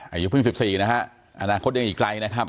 อายุเพิ่ง๑๔นะฮะอนาคตยังอีกไกลนะครับ